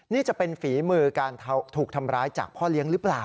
นี่จะเป็นฝีมือการถูกทำร้ายจากพ่อเลี้ยงหรือเปล่า